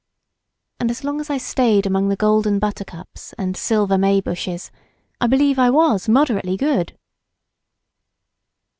" And as long as I stayed among the golden buttercups and silver may bushes, I believe I was moderately good.